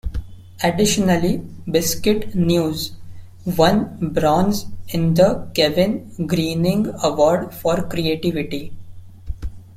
Additionally, Biscuit News won Bronze in the Kevin Greening Award for Creativity.